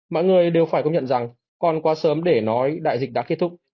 mọi người đều phải công nhận rằng còn quá sớm để nói đại dịch đã kết thúc